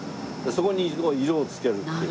そこに色をつけるっていう。